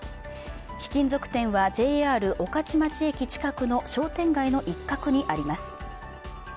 貴金属店はＪＲ御徒町駅近くの商店街の一角にあります。